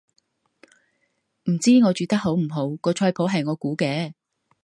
唔知我煮得好唔好，個菜譜係我估嘅